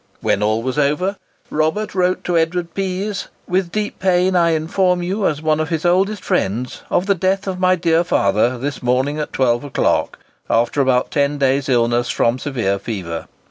When all was over, Robert wrote to Edward Pease, "With deep pain I inform you, as one of his oldest friends, of the death of my dear father this morning at 12 o'clock, after about ten days' illness from severe fever."